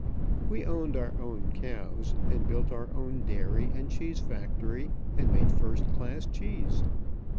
We owned our own cows, and built our own dairy and cheese factory, and made first class cheese.